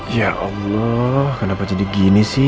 ya allah kenapa jadi gini sih